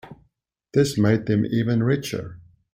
This made them even richer.